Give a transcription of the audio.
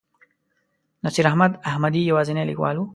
نصیر احمد احمدي یوازینی لیکوال و.